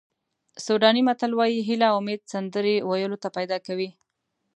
سوډاني متل وایي هیله او امید سندرې ویلو ته پیدا کوي.